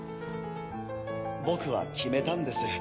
僕は決めたんです。